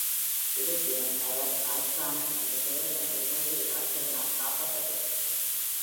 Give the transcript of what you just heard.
இருப்பினும், அவர் "அல்ட்ராமன்" என்று பெயரிடும் ஒரு வெள்ளி ராட்சதனால் காப்பாற்றப்படுகிறார்.